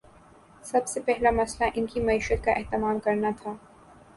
سب سے پہلا مسئلہ ان کی معیشت کا اہتمام کرنا تھا۔